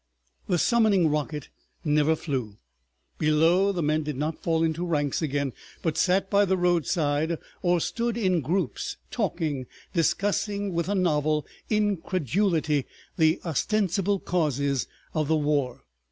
The summoning rocket never flew. Below, the men did not fall into ranks again, but sat by the roadside, or stood in groups talking, discussing with a novel incredulity the ostensible causes of the war.